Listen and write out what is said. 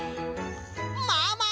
ママ！